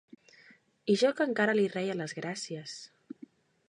I jo que encara li reia les gràcies!